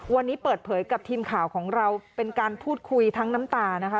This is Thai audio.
วันนี้เปิดเผยกับทีมข่าวของเราเป็นการพูดคุยทั้งน้ำตานะคะ